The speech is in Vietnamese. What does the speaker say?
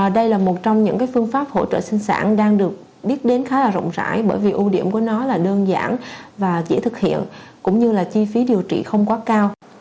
đây là một trong những phương pháp hỗ trợ sinh sản đang được biết đến khá là rộng rãi bởi vì ưu điểm của nó là đơn giản và dễ thực hiện cũng như là chi phí điều trị không quá cao